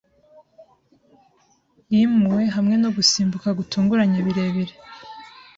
Yimuwe hamwe no gusimbuka gutunguranye birebire